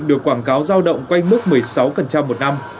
được quảng cáo giao động quanh mức một mươi sáu một năm